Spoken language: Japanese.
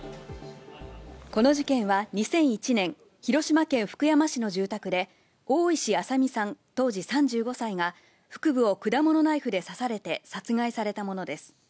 この事件は２００１年、広島県福山市の住宅で大石朝美さん、当時３５歳が腹部を果物ナイフで刺されて殺害されたものです。